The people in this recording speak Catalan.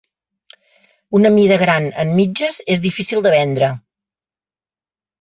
Una mida gran en mitges és difícil de vendre.